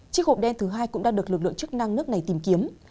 chiếc hộp đen thứ hai cũng đang được lực lượng chức năng nước này tìm kiếm